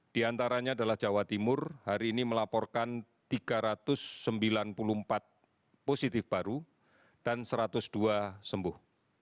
di antaranya adalah jawa timur hari ini melaporkan tiga ratus sembilan puluh empat positif baru dan satu ratus dua sembuh